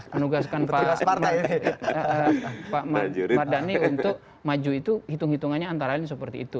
menugaskan pak mardhani untuk maju itu hitung hitungannya antara lain seperti itu